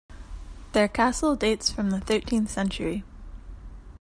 Their castle dates from the thirteenth century.